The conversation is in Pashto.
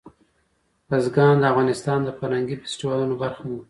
بزګان د افغانستان د فرهنګي فستیوالونو برخه ده.